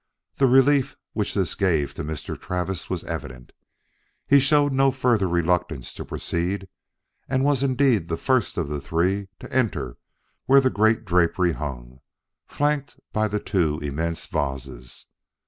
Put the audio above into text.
The relief which this gave to Mr. Travis was evident. He showed no further reluctance to proceed and was indeed the first of the three to enter where the great drapery hung, flanked by the two immense vases.